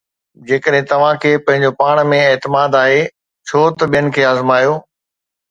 جيڪڏهن توهان کي پنهنجو پاڻ ۾ اعتماد آهي، ڇو ته ٻين کي آزمايو؟